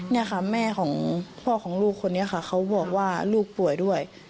นี่ค่ะแม่ของพ่อของลูกคนนี้ค่ะเขาบอกว่าลูกป่วยด้วย